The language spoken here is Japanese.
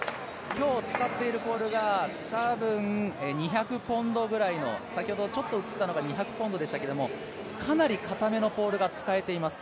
今日使っているポールが２００ポンドぐらいの、先ほど、ちょっと映ったのが２００ポンドでしたがかなりかためのポールが使えています。